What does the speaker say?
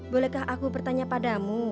bolehkah aku bertanya padamu